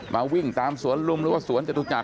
มาวิ่งตามสวรรค์ลุมหรือว่าสวรรค์จตุจักร